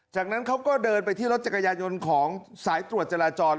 จากนั้นเขาก็เดินไปที่รถจักรยายนต์ของสายตรวจจราจร